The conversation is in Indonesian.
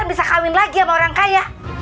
dari tadi buk panggil panggil kagak denger denger